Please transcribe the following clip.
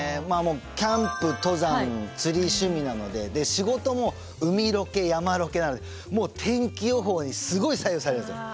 キャンプ登山釣り趣味なので仕事も海ロケ山ロケなのでもう天気予報にすごい左右されるんですよ。